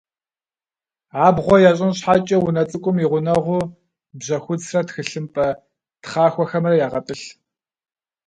Абгъуэ ящӏын щхьэкӏэ унэ цӏыкӏум и гъунэгъуу бжьэхуцрэ тхылъымпӏэ тхъахуэхэмрэ ягъэтӏылъ.